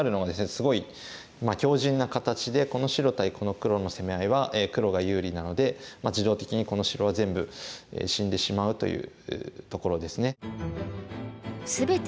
すごい強じんな形でこの白対この黒の攻め合いは黒が有利なので自動的にこの白は全部死んでしまうというところですね。